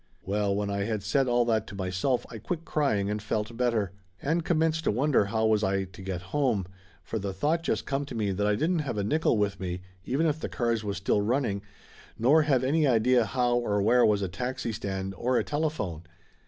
Well, when I had said all that to myself I quit crying and felt better, and commenced to wonder how was I to get home, for the thought just come to me that I didn't have a nickel with me even if the cars was still running, nor have any idea how or where was a taxi stand or a telephone.